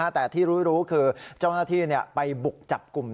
แต่ที่รู้คือเจ้าหน้าที่ไปบุกจับกลุ่ม